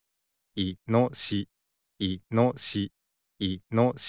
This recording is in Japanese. いのしし。